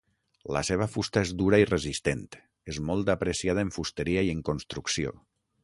La seva fusta és dura i resistent, és molt apreciada en fusteria i en construcció.